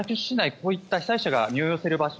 こうした被災者が身を寄せる場所